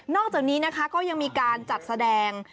อกจากนี้นะคะก็ยังมีการจัดแสดง